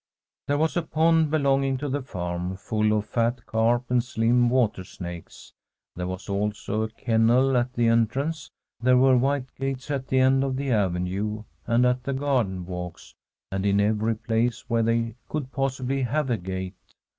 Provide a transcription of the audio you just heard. There was a pond belonging to the farm, full of fat carp and slim water snakes ; there was also a kennel at the entrance ; there were white gates at the end of the avenue, and at the garden walks, and in every place where they could possibly have a gate.